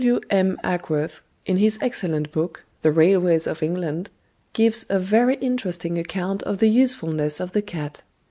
W. M. Acworth, in his excellent book, "The Railways of England," gives a very interesting account of the usefulness of the cat.